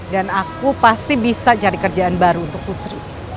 dan aku pasti bisa cari kerjaan baru untuk putri